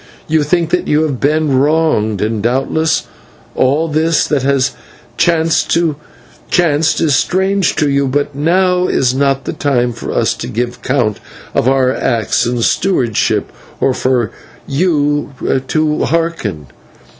You think that you have been wronged, and, doubtless, all this that has chanced is strange to you, but now is not the time for us to give count of our acts and stewardship, or for you to hearken.